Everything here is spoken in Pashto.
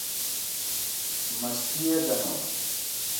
مستي یې ده نو.